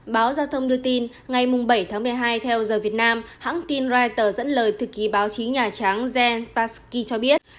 báo giao thông đưa tin ngày bảy tháng một mươi hai theo giờ việt nam hãng tin reuters dẫn lời thư ký báo chí nhà trắng zen pashki cho biết